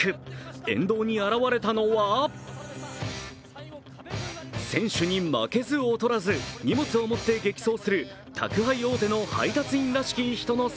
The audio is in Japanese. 沿道に現れたのは選手に負けず劣らず荷物を持って激走する宅配大手の配達員らしきの人の姿。